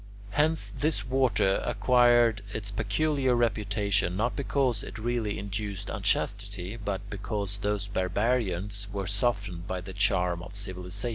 Hence this water acquired its peculiar reputation, not because it really induced unchastity, but because those barbarians were softened by the charm of civilization.